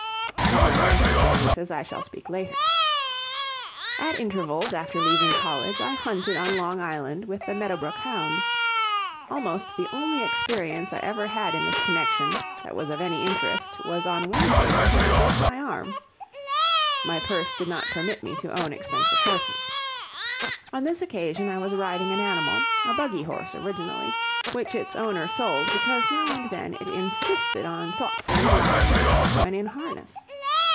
Of my ranch experiences I shall speak later. At intervals after leaving college I hunted on Long Island with the Meadowbrook hounds. Almost the only experience I ever had in this connection that was of any interest was on one occasion when I broke my arm. My purse did not permit me to own expensive horses. On this occasion I was riding an animal, a buggy horse originally, which its owner sold because now and then it insisted on thoughtfully lying down when in harness.